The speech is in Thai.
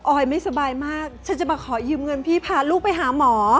อยไม่สบายมากฉันจะมาขอยืมเงินพี่พาลูกไปหาหมอ